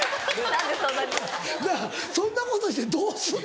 そんなことしてどうすんのや？